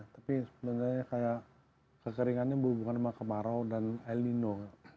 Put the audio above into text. tapi sebenarnya kayak keseringannya berhubungan sama kemarau dan el nino